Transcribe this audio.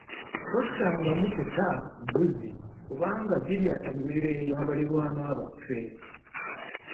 Toddangamu kuta mbuzi kubanga zirya emmere ya balirwana baaffe.